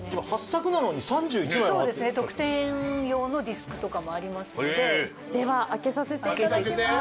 ８作なのに３１枚そうですね特典用のディスクとかもありますのででは開けさせていただきます